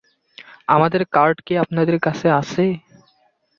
আমাদের কার্ড কি আপনাদের কাছে আছে?